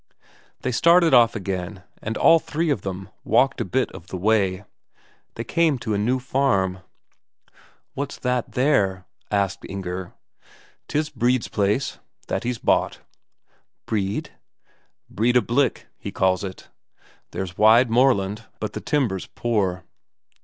They started off again, and all three of them walked a bit of the way. They came to a new farm. "What's that there?" asked Inger. "'Tis Brede's place, that he's bought." "Brede?" "Breidablik, he calls it. There's wide moorland, but the timber's poor."